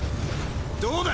どうだ！